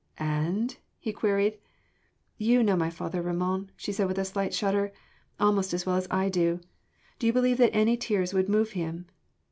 and ?" he queried. "You know my father, Ramon," she said with a slight shudder, "almost as well as I do. Do you believe that any tears would move him?"